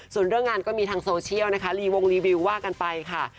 ส่วนเรื่องงานก็มีทางโซเชียลนะคะว่ากันไปค่ะ